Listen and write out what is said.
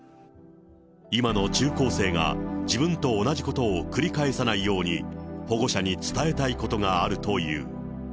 今の中高生が自分と同じことを繰り返さないように、保護者に伝えたいことがあるという。